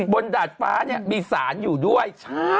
บนดาดฟ้านี่มีศาลอยู่ด้วยใช่